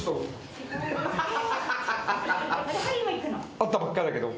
会ったばっかだけど。